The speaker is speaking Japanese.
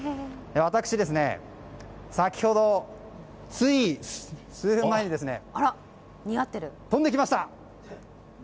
私、先ほど、つい数分前に飛んできました！